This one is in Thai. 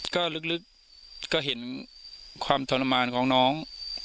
ก็ลึกก็เห็นความทรมานของน้อง